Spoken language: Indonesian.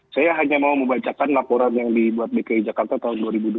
saya hanya mau membacakan laporan yang dibuat dki jakarta tahun dua ribu dua puluh